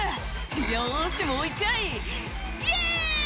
「よしもう一回イエイ！」